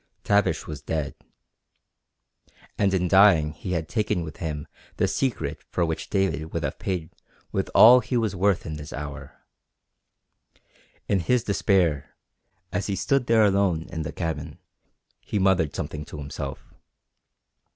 Tavish was dead, and in dying he had taken with him the secret for which David would have paid with all he was worth in this hour. In his despair, as he stood there alone in the cabin, he muttered something to himself.